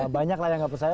banyak lah yang gak percaya